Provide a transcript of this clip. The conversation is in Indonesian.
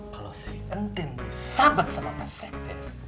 kalo si entin disabet sama pak sekdes